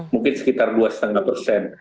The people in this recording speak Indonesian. mungkin sekitar dua lima persen